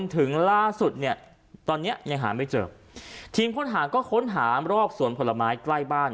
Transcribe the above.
ตอนเนี้ยยังหาไม่เจอทีมค้นหาก็ค้นหาอำรอบสวนผลไม้ใกล้บ้าน